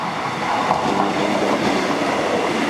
اواں لَولینک آں